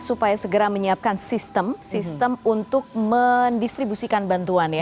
supaya segera menyiapkan sistem sistem untuk mendistribusikan bantuan ya